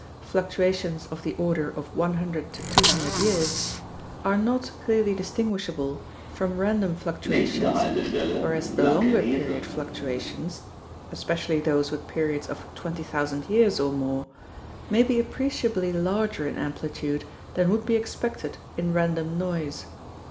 fluctuations of the order of 100 to 200 years) are not clearly distinguishable from random fluctuations, whereas the longer period fluctuations (especially those with periods of 20,000 years or more) may be appreciably larger in amplitude than would be expected in random noise.